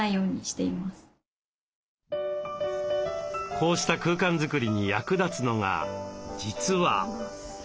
こうした空間作りに役立つのが実は。